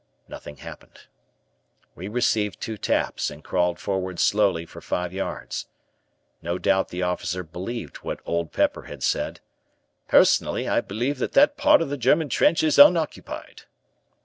Nothing happened. We received two taps and crawled forward slowly for five yards; no doubt the officer believed what Old Pepper had said, "Personally I believe that that part of the German trench is unoccupied."